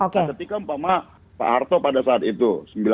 ketika pak harto pada saat itu